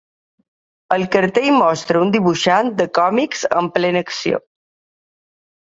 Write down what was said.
El cartell mostra un dibuixant de còmics en plena acció.